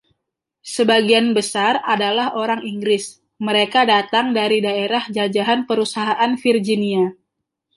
Sebagian besar adalah orang Inggris, mereka datang dari daerah jajahan perusahaan Virginia.